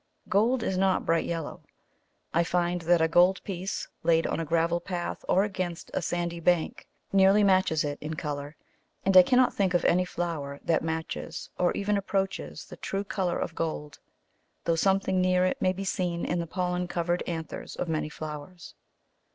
Gold is not bright yellow. I find that a gold piece laid on a gravel path, or against a sandy bank, nearly matches it in colour; and I cannot think of any flower that matches or even approaches the true colour of gold, though something near it may be seen in the pollen covered anthers of many flowers.